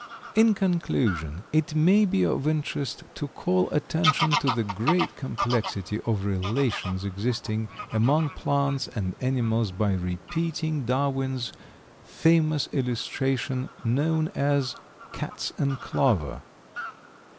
In conclusion, it may be of interest to call attention to the great complexity of relations existing among plants and animals by repeating Darwin's famous illustration known as "Cats and Clover."